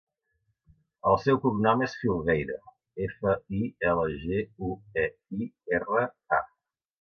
El seu cognom és Filgueira: efa, i, ela, ge, u, e, i, erra, a.